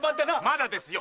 まだですよ！